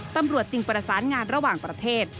ตำรวจจึงประสานงานระหว่างประเทศ